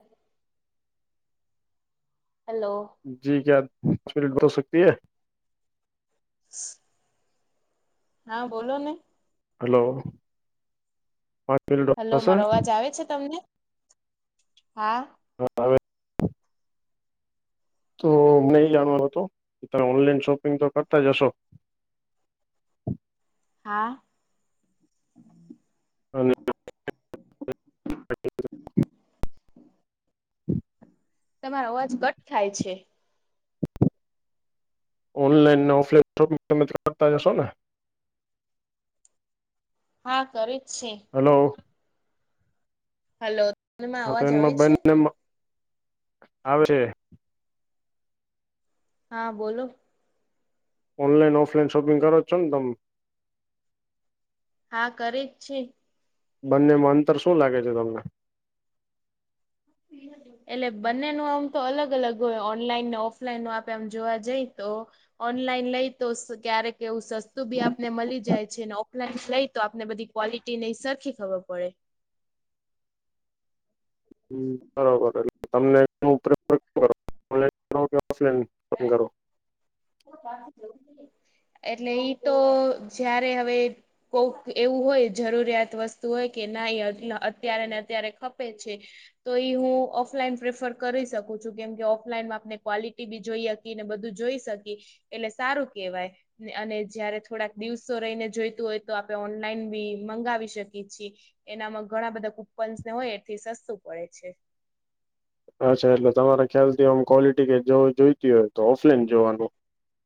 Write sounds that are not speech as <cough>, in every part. હ. હેલો. જી ક્યા મિનટ બતવ સકતીએ. <inaudible> હા બોલોને. હલો. પાંચ મિનિટ હેલો થશે મારો અવાજ આવે છે તમને હા. હા. તો અમને એ જાણવાનો હતો કે તમે ઓનલાઈન શોપિંગ તો કરતાજ હશો. હા. અને તમારો અવાજ કટ થાય છે. ઓનલાઈન ને ઓફલાઈન શોપિંગ તમે કરતા જશો ને. હા કરેજ છે. હલો! હલો! તમાં હા તો અવાજ આવે એમાં છે? બનને <unintelligible> આવે હા બોલો? ઓનલાઇન ઓફલાઇન શોપિંગ કરો છો ને તમે. હા કરેજ છે. બંનેમાં અંતર શું લાગે છે તમને. હમ હ. એટલે બંને ન આમ તો અલગ અલગ હોય ઓનલાઈન ને ઓફલાઈન નું આપે આમ જોવા જઈ તો. ઓનલાઈન લઈ તો ક્યારેક એવું સસ્તું બી આપને મળી જાય છે ઓફલાઈન લઈ તો આપને બધી. ક્વલિટી નની સરખી ખબર પડે. હ બરોબર એટલે તમને એ પ્રફર કરો ઓફલાઈન. હે શોપિંગ કરો એટલે ઈતો જયારે હવે. કોક એવું હોય જરૂરિયાત વસ્તુ હોય કે ના અત્યારે ને અત્યારે ખપે છે. તો એ હું ઓફલાઈન પ્રેફર કરી શકું છું કેમ કે ઓફલાઈનમાં આપણે ક્વલિટી બી જોઈએ. ને બધું જોઈ શકી એટલે સારું કેવાય. અને જયારે થોડાક દિવસો રહીને જોઈતું હોય તો આપણે ઓનલાઈન બી મંગાવી શકીએ છીએ. એનામાં ઘણા બધા કુપન્સને હોય એથી સસ્તું પડે છે. અચ્છા એટલે તમારે ખ્યાલથી આમ ક્વોલિટી કે જોઈતી હોય તો ઓફલાઈન જોવાનું.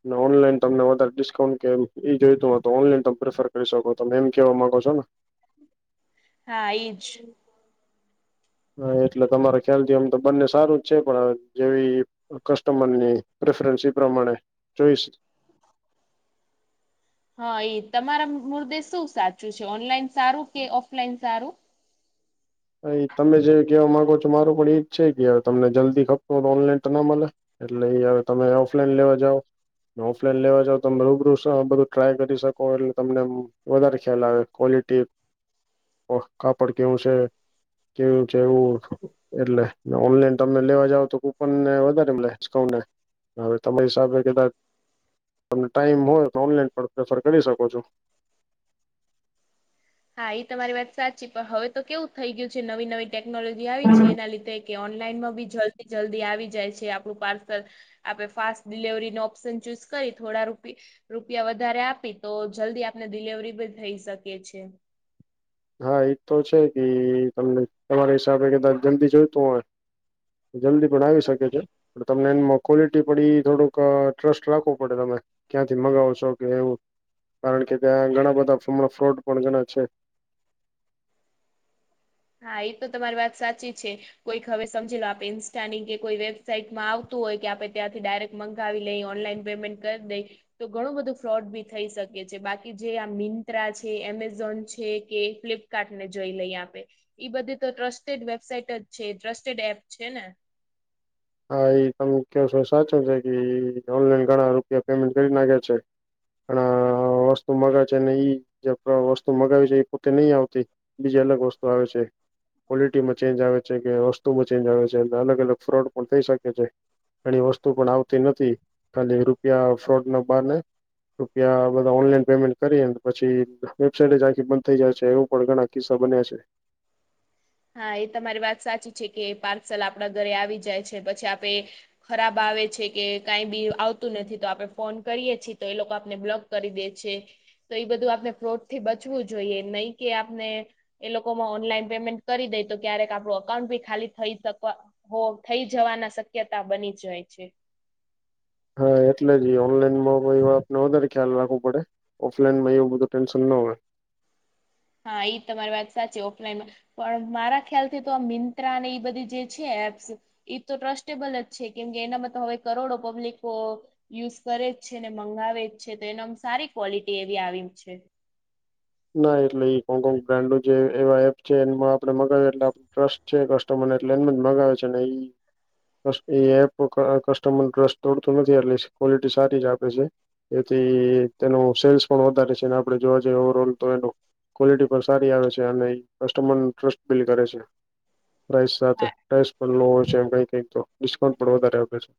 ને ઓનલાઈન તમને વધારે ડિસ્કાઉન્ટ કે એ જોઈતું હોય તો ઓનલાઈન તમે પ્રેફર કરી શકો. તમે એમ કેવા માંગો છોને? હા ઈજ! હા એટલે તમારા ખ્યાલથી આમ તો બંને સારું જ છે પણ, જેવી કસ્ટમરની પ્રેફરન્સ એ પ્રમાણે ચોઈસ હા એ તમારા મૃર્દે શું સાચું છે ઓનલાઈન સારું કે ઓફલાઈન સારું. હા ઈ તમે જે કેહેવા માંગો છો મારું પણ ઈ જ છે કે, તમને જલ્દી ખપતું <unintelligible> હો ઓનલાઈન તો ના મળે. એટલે ઈ હવે તમે ઓફલાઈન લેવા જાવ ઓફલાઈન લેવા જાવ તમે રૂબરૂ બધું ટ્રાય કરી શકો એટલે તમને વધારે ખ્યાલ આવે. ક્વોલિટી કાપડ કેવું છે? કેવું કેવું? <unintelligible> એટલે ઓનલાઈન તમે લેવા જાવ તો કુપન ને વધારે મલે ડીકાઉન્ટ હવે તમારી હિસાબે કદાચ તમને ટાઈમ હોય તો ઓનલાઈન પણ પ્રેફર કરી શકો છો. હા એ તો તમારી વાત સાચી. પણ, હવે તો કેવું થઈ ગયું છે, નવી નવી ટેકનોલોજી આવી છે એના લીધે કે ઓનલાઈનમાં બી જલ્દી જલ્દી આવી જાય છે આપણું પાર્સલ આપણે ફાસ્ટ ડિલવરીનો ઓપ્શન ચૂઝ કરી થોડા રૂપી રૂપિયા વધારે આપી તો જલ્દી આપને ડિલવરી બી થઈ શકે છે. હા એજ તો છે કે તમને તમારા હિસાબે કદાચ જલ્દી જોઈતું હોય જલ્દી પણ આવી શકે છે. પણ તમને એમાં ક્વોલિટી પડી થોડુંક ટ્રસ્ટ રાખવો પડે તમે ક્યાંથી મંગાવો છો કે એવું. કારણ કે, ત્યાં ઘણા બધા હમણાં ફ્રોડ પણ ઘણા છે. હા એ તો તમારી વાત સાચી છે. કોઈક હવે સમજી લો આપે ઇન્સ્ટાની કે કોઈ વેબસાાઈટમાં આવતું હોય કે આપણે ત્યાંથી ડાયરેક મંગાવી લઈ, ઓનલાઈન પેમેન્ટ કરી દઈ. તો ઘણું બધું ફ્રોડ બી થઈ શકે છે. બાકી જે આ મિંત્રા છે, એમેઝોન છે, કે ફ્લિપ કાર્ટ ને જોઈ લઈએ આપે. ઈ બધી તો ટ્રસ્ટેડ વેબસાાઈટ જ છે. ટ્રસ્ટેડ એપ છે ને? હા એ તમે કયો છો સાચું બાકી ઓનલાઈન ઘણા રૂપિયા પેમેન્ટ કરી નાખ્યા છે. પણ વસ્તુ મગાવે છે અનેને ઈ જે વસ્તુ મગાવી છે એ પોતે નઈ આવતી. બીજી અલગ વસ્તુ આવે છે. ક્વોલિટીમાં ચેન્જ આવે છે કે, વસ્તુમાં ચેન્જ આવે છે, અને અલગ અલગ ફ્રોડ પણ થઈ શકે છે. ઘણી વસ્તુ પણ આવતી નથી. ખાલી રૂપિયા ફ્રોડ ના બાને રૂપિયા બધા ઓનલાઈન પેમેન્ટ કરીએ. પછી વેબસાઇટ જ આખી બંધ થઈ જાય છે, એવું પણ ઘણા કિસ્સા બન્યા છે. હા એ તમારી વાત સાચી છે કે પાર્સલ આપણા ઘરે આવી જાય છે પછી આપે ખરાબ આવે છે કે કાંઈ બી આવતું નથી તો આપડે ફોન કરીએ છીએ તો એ લોકો આપને બ્લોક કરી દે છે. તો એ બધું આપણે ફ્રોડ થી બચવું જોઈએ. નહીં કે આપને એ લોકોમાં ઓનલાઈન પેમેન્ટ કરી દઈ તો ક્યારેક આપડું અકાઉન્ટ ભી ખાલી થઈ શક હો થઈ જવાના શક્યતા બની જાય છે. હા એટલે જ ઓનલાઈનમાં આપણે એ વાત નો વધારે ખ્યાલ રાખવો પડે. ઓફલાઈન માં એવું બધું ટેન્શન ના હોય. હા એ તમારી વાત સાચી ઓફલાઈનમાં પણ મારા ખ્યાલથી તો આ મિંત્રા અને એ બધી જે છે એપ્સ એ તો ટ્રસ્ટેબલ જ છે. કેમ કે, એનામાં તો હવે કરોડો પબ્લિકકો યુઝ કરે જ છે, ને મંગાવે જ છે. તો એનો આમ સારી ક્વોલિટી એવી આવી છે. ના એટલે એ હોંગકોંગ બ્રાન્ડ નો જે એવા એપ છે એમાં આપણે મંગાવ્યું એટલે આપ ટ્રસ્ટ છે કસ્ટમર ને એટલે એમ જ મગાવે છે ને એ એ એપ કસ્ટમર ડ્રસ તોડતું નથી એટલે ક્વોલિટી સારી જ આપે છે. એથી તેનું સેલ્સ પણ વધારે છે અને આપડે જોવા જઈએ ઓવરઓલ તો એ ક્વોલિટી પણ સારી આવે છે અને કસ્ટમરનો ટ્રસ્ટ બિલ્ડ કરે છે. પ્રાઇસ સાથે હા પ્રાઇસ પણ લો છે એમ કઈ કઈક તો ડિસ્કાઉન્ટ પણ વધારે આપે છે.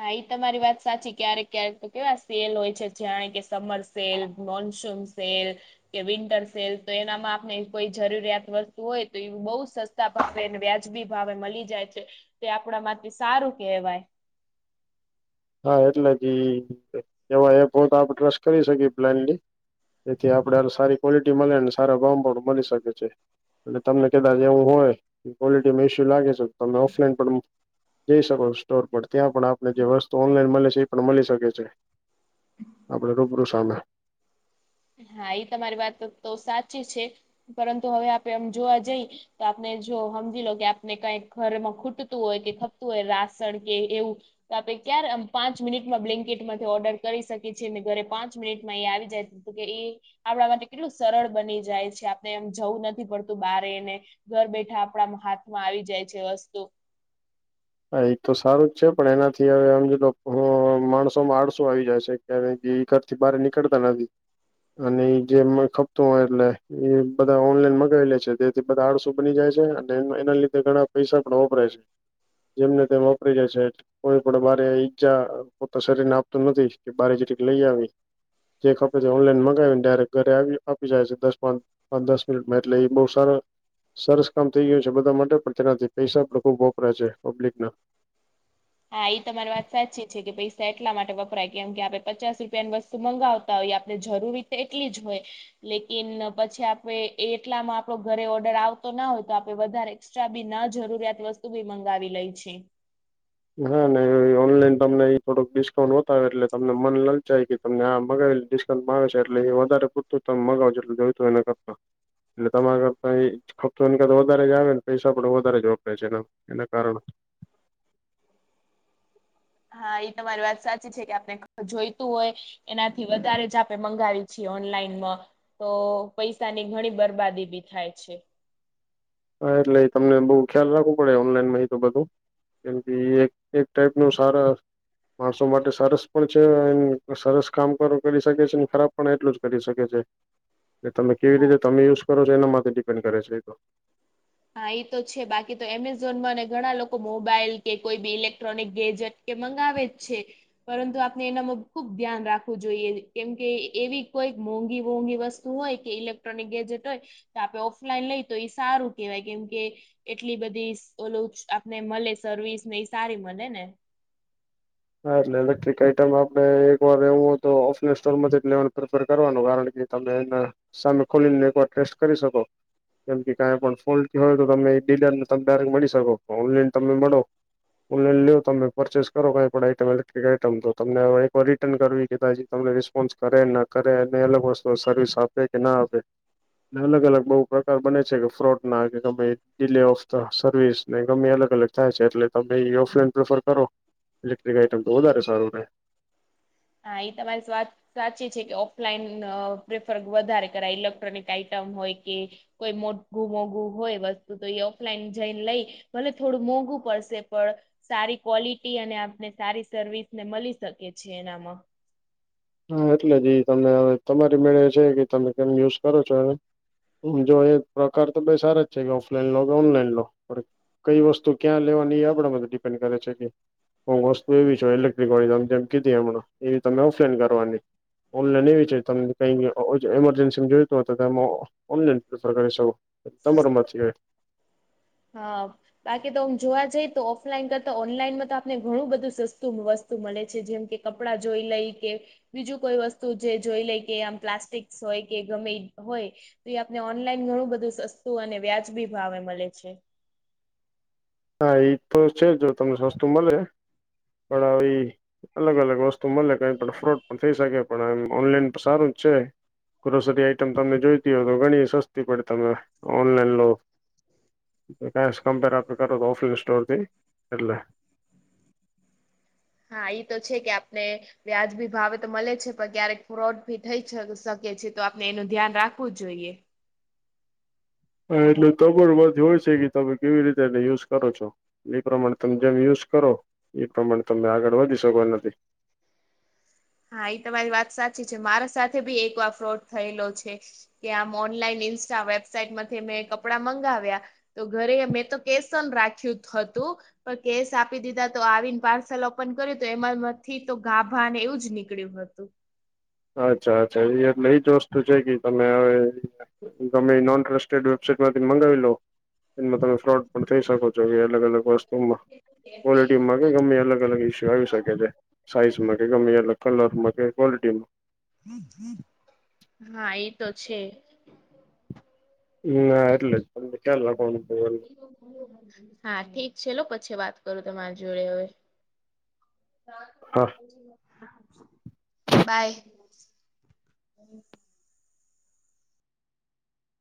હા એ તમારી વાત સાચી ક્યારેક ક્યારેક તો કેવા સેલ હોય છે જાણે કે સમર સેલ મોનસૂન સેલ કે વિન્ટર સેલ તો એનામાં આપણે કોઈ જરૂરિયાત વસ્તુ હોય તો એ બોવ વ્યાજબી ભાવે મળી જાય છે તે આપણા માંથી સારું કેહવાય હા એટલે જે એવા એપ તો આપ ટ્રસ્ટ કરી શકીએ પ્લાન એથી આપડે સારી ક્વોલિટી મળે ને સારા ગામ પણ મળી શકે છે. એટલે તમને કદાચ એવું હોય ક્વોલિટીમાં ઇસ્યૂ લાગે છે. તમે ઓફલાઈન પણ જઈ શકો છો સ્ટોર પર ત્યાં પણ આપણે જે વસ્તુ મળે છે એ પણ મળી શકે છે આપડે રૂબરૂ સામે હા એ તમારી વાત તો સાચી છે પરંતુ હવે આપે આમ જોવા જઈ તો આપને જો સમજી લો કે આપને કઈક ઘરમાં ખૂટતું હોય કે ખપતું હોય રાસણ કે એવું તો આપે ક્યારે પાંચ મિનિટમાં બ્લિંકિટમાંથી ઓર્ડર કરી શકીએ છીએ અને ઘરે પાંચ મિનિટમાં એ આવી જાય. કે એ આપણા માટે કેટલું સરળ બની જાય છે આપણે એમ જવું નથી પડતું બારને ઘર બેઠા આપણા હાથમાં આવી જાય છે વસ્તુ હા એ તો સારું જ છે પણ એનાથી હવે હમજી લો માણસોમાં આળસો આવી જાય છે. ત્યારે તે ઘરથી બહાર નીકળતા નથી. અને એ જે ખપતું હોય એટલે એ બધા ઓનલાઈન મગાવી લે છે તે બધા આડસુ બની જાય છે અને એના લીધે ઘણા પૈસા પણ વપરાય છે. જેમને તેમ વપરાય જાય છે. કોઈ પણ બારે ઈજા પોતા શરીરને આપતું નથી કે બારે જઈન લઈ આવી. જે ખપે છે ઓનલાઈન મગાવીને ડાયરેક્ટ ઘરે આવી આપી જાય છે દસ પાંચ પાંચ દસ મિનિટમાં એટલે એ બહુ સારા સરસ કામ થઈ ગયું છે બધા માટે પણ તેનાથી પૈસા પણ ખુબ વપરાય છે પબ્લિકના હા એ તમારી વાત સાચી છે કે પૈસા એટલા માટે વપરાય કેમ કે આપડે પચાસ રૂપિયાની વસ્ત વસ્તુ મંગાવતા હોયએ આપણે જરૂરી તો એટલી જ હોય લેકિન પછી આપે એટલામાં આપડો ઘરે ઓર્ડર આવતો ના હોય તો આપડે વધારે એક્સ્ટ્રાબી ના જરૂરિયાત વસ્તુ બી મંગાવી લે છે. નાા ના ઓનલાઈન તમને એ થોડુક ડિસ્કાઉન્ટ બતાવે એટલે તમને મન લલચાય તમને આ મગાવે ડિસ્કાઉન્ટ માગે છે એટલે એ વધારે પૂરતું તમે મગાવો એટલે જોય તો એને કર એટલે તમારે <unintelligible> વધારે જ આવે ને પૈસા પણ વધારે જ વપરાય છે એના એના કારણે હા એ તમારી વાત સાચી છે કે આપને જોઈતું હોય એનાથી વધારે જ આપે મંગાવી છીએ ઓનલાઈનમાં તો પૈસાની ઘણી બરબાદી બી થાય છે. હા એટલે તમને બહુ ખ્યાલ રાખવું પડે ઓનલાઈનમાં એ તો બધું કેમ કે એ એક ટાઈપનું સારા માણસો માટે સરસ પણ છે સરસ કામ કર કરી શકે છે ખરાબ પણ એટલું જ કરી શકે છે. <inaudible> એ તમે કેવી રીતે તમે યુઝ કરો છો એના માટેથી ડિપેન્ડ કરે છે એ તો. હા એ તો છે બાકી તો એમેઝોનમાં ઘણા લોકો મોબાઈલ કે કોઈ બી ઇલેક્ટ્રોનિક એજેટ. કે મંગાવે જ છે. પરંતુ આપણે એનામાં ખુબ ધ્યાન રાખવું જોઈએ કેમકે એવી કોઈ મોંઘી મોંઘી વસ્તુ વસ્તુ હોય કે ઇલેક્ટ્રોનિક ગેજેટ હોય તો આપણે ઓફલાઈન લઈ તો એ સારું કેવાય કેમ કે એટલી બધી ઓલ આપને મળે સર્વિસ ને એ સારી મળે ને. હા એટલે ઇલેક્ટ્રિક આઈટમ આપડે એક વાર એવું હોય તો ઓફલાઈન સ્ટોર માં જ લેવાનું પ્રેફર કરવાનું કારણ કે. તમે એના સામે ખોલીને એકવાર ટેસ્ટ કરી શકો. કેમ કે કાંઈ પણ ફોલ્ટ હોય તો તમે ડીલરને તમે ડાયક્ટ મળી શકો ઓનલાઈન તમે મળો. ઓનલાઈન લ લો તમે પ પરચેસ કરો કાઈ. આઈટમ લેક્ટ્ર આઈટમ તો તમને એકર રિટર્ન કરવી કેાી તમને રિસ્પોન્સ કરેને. કરે અને અલગ વસ્તુ સર્વિસ આપે કે ના આપે. અલગ અલગ બહુ પ્રકાર બને છે કે ફ્રોડ ના કે ગમે ડીલે ઓફ ધ સર્વિસ ને ગમે અલગ અલગ. થાય છે એટલે તમે એ ઓફલાઈન પ્રેફર કરો. ઇક્ટ્રિક આઇટમ તો વધારે સારે. હા એ તમારી સ્વાત. સાચી છે કે ઓફલાઈન પ્રેફર વધારે કરાય ઇલેક્ટ્રોનિક આઈટમ હોય કે. કોઈ મોઘું મોઘું હોય વસ્તુ તો એ ઓફલાઈન જઈને લઈ. ભલે થોડું મોંઘું પડશે પણ. સારી ક્વોલિટી અને આપને સારી સર્વિસને મળી શકે છે એનામાં. હા એટલે જ તનેવે તમારી મેળે છે કે તમે કેમ યુઝ કરો છો એ. જો એ પ્રકાર તો ભ સારા જ છે કે ઓફલાઈન લો કે ઓનલાઈન લો. કઈ વસ્તુ ક્યાં લેવાની એ આપડા મ ડિપેન્ડ કરે છે કે. હ વસ્તુ એવી છેય ઇલેક્ટ્રિક વાળી ત જેમ કીધી હમણાં એવીમે ઓફલાઈન કરવાની. ઓલા નહી વિચાર્યું તમને કઈ એમરજન્સી જોઈતું હો હત તો એ. ઓનલાઈન પ્રફર કરી શકો તમારો માંથી હોય. હા બાકી તો હમ જોવા જઈ તો ઓફલાઈન કરતા ઓનલાઈનમાં તો આપને ઘણું બધું સસ્તું વસ્તુ. વસ્તુ મળે છે જેમ કે કપડાં જોઈ લઈ કે. બીજું કોઈ વસ્તુ જે જોઈ લે કે આમ પ્લાસ્ટિક્સ હોય કે ગમે હોય. તો એ આપને ઓનલાઈન ઘણું બધું સસ્તું અને વ્યાજબી ભાવે મળે છે. હા એજ તો છે જો તમને સસ્તું મળે પણ આવી. અલગ અલગ વસ્તુ મળે કઈ પણ ફ્રોડ પણ થઈ શકે પણ આ ઓનલાઈન પણ સારુંજ છે. ગ્રોસરી આઈટમ તમને જોઈતી હોય તો ઘણી સસ્તી પડે તમે ઓનલાઈન લો. ક કમ્પેર આપ કરતો ઓફિ સ્ટોરથી એટલે. હા એઈ તો છે કે આપને. વ્યાજબી ભાવે તો મળે છે પણ ક્યારેક ફ્રોડ ભી થઈ શકે છે તો આપને એનું ધ્યાન રાખવું જોઈએ. હા એટલે તમાબર બધ હોય છે કે તમે કેવી રીતે એને યુઝ કરો છો. એ પ્રમાણે તમે જેમ યુઝ કરો એ પ્રમાણે તમે આગળ વધી શકો એ નથી. હા એ તમારી વાત સાચી છે મારા સાથે ભી એકવાર ફ્રોડ થયેલો છે. કે આમ ઓનલાઈન ઈન્સ્ટા વેબસાાઈટ માંથી મેં કપડા મંગાવ્યા. તો ઘરે મેં તો કેસન રાખ્યું હતું. પણ કેશ આપી દીધા તો આવીને પાર્સલ ઓપન કર્યું તો એમાં નથી તો ગાભાને એવુંજ. નીકળ્યું હતું. અચ્છા અચ્છા એ એટલે એજ વસ્તુ છે કે તમે હવે. તમે નોન ટ્રસ્ટેડ વેબસાાઈટમાંથી મગાવી લો એમાં તમે. ફ્રોડ પણ થઈ શકો છો કે અલગ અલગ વસ્તુમાં ક્વોલિટીમાં કે ગમે અલ અલગ ઇસ્ય. આવી શકે છે સાઈઝમાં કે ગમે એટલે કલર માં કે ક્વોલિટી માં. હા એતો છે. હ ના એટલે જ તમને ક્યાલ લખવાનું. હા ઠીક છે લો પછી વાત કરું તમારી જોડે હવે. હા બાય.